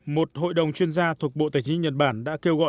một hội đồng chuyên gia thuộc bộ tài chính nhật bản đã kêu gọi